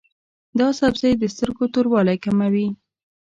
دا سبزی د سترګو توروالی کموي.